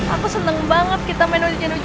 aku seneng banget kita main hujan hujanan kayak gini